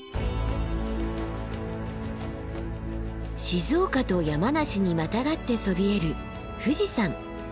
静岡と山梨にまたがってそびえる富士山。